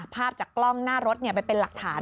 ภาพจากกล้องหน้ารถไปเป็นหลักฐาน